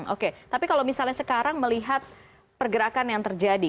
oke tapi kalau misalnya sekarang melihat pergerakan yang terjadi